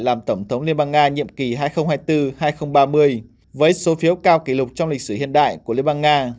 làm tổng thống liên bang nga nhiệm kỳ hai nghìn hai mươi bốn hai nghìn ba mươi với số phiếu cao kỷ lục trong lịch sử hiện đại của liên bang nga